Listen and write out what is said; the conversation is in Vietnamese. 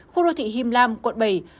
khu đô thị him lam quận bảy